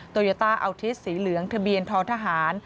โตยาต้าอาวุธิสต์สีเหลืองทะเบียนท้อทหาร